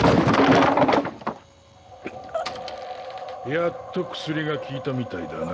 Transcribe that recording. やっと薬が効いたみたいだな。